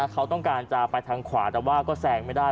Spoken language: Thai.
เขาต้องการจะไปทางขวาแต่ว่าก็แซงไม่ได้